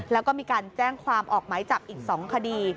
แล้วก็มีการแจ้งความออกไหมจับอีก๒คดี